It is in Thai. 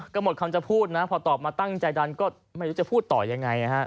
ก็หมดคำจะพูดนะพอตอบมาตั้งใจดันก็ไม่รู้จะพูดต่อยังไง